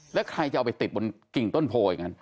แล้วใครจะเอาไปติดบนกิ่งต้นโพอย่างนั้น